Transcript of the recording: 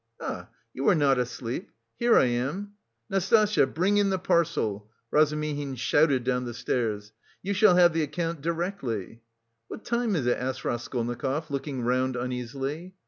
"Ah, you are not asleep! Here I am! Nastasya, bring in the parcel!" Razumihin shouted down the stairs. "You shall have the account directly." "What time is it?" asked Raskolnikov, looking round uneasily.